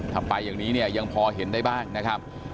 ถ้าไปอย่างนี้เนี่ยยังพอเห็นได้บ้างนะครับ